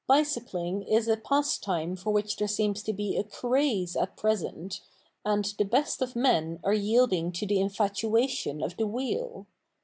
Bicycling is a pastime for which there seems to be a craze at present, and the best of men are yielding to the infatuation of the wheel.